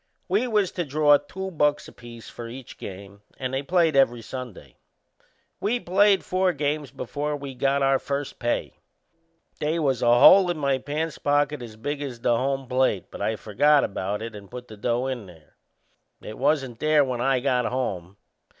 We was to draw two bucks apiece for each game and they played every Sunday. We played four games before we got our first pay. They was a hole in my pants pocket as big as the home plate, but I forgot about it and put the dough in there. It wasn't there when I got home.